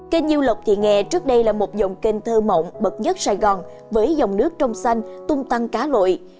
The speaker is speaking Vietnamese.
kênh nhiêu lộc thị nghè trước đây là một dòng kênh thơ mộng bậc nhất sài gòn với dòng nước trong xanh tung tăng cá lội